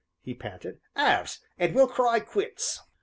he panted, "halves, and we'll cry 'quits.'"